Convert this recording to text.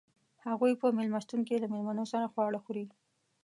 هغوئ په میلمستون کې له میلمنو سره خواړه خوري.